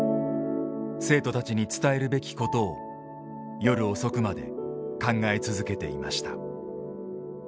生徒たちに伝えるべきことを夜遅くまで考え続けていました。